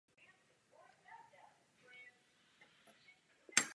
Tuto situaci nijak nesoudím, jen ji konstatuji.